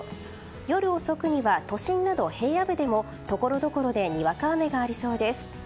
夜遅くには都心など平野部でもところどころでにわか雨がありそうです。